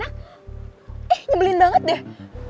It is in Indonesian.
eh nyebelin banget deh